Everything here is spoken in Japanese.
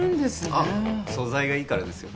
あッ素材がいいからですよ